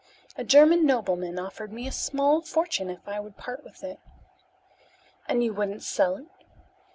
A German nobleman offered me a small fortune if I would part with it." "And you wouldn't sell it?"